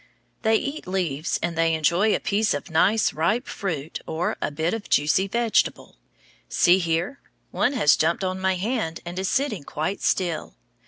They eat leaves, and they enjoy a piece of nice, ripe fruit, or a bit of juicy vegetable. See here, one has jumped on my hand and is sitting quite still.